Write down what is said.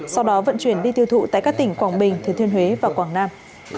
sau đó vận chuyển đi tiêu thụ tại các tỉnh quảng bình thế thuyên huế và quảng nam